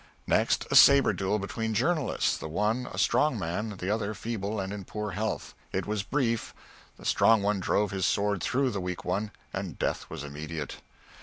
Next, a sabre duel between journalists the one a strong man, the other feeble and in poor health. It was brief; the strong one drove his sword through the weak one, and death was immediate.